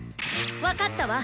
分かったわ！